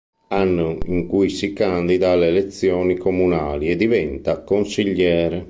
Anno in cui si candida alle elezioni comunali e diventa consigliere.